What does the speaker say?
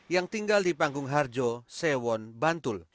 yang tinggal di panggung harjo sewon bantul